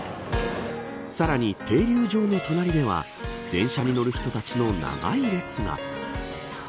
さらに停留場の隣では電車に乗る人たちの長い列が。